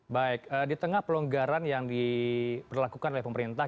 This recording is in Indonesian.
baik di tengah pelonggaran yang diperlakukan oleh pemerintah